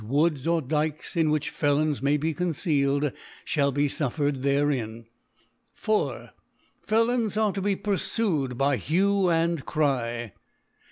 Woods, or Dykes, in which Felons may be concealed, Ihall be fjffered therein. 4. Felons arc to be purfued by Hue and Cry.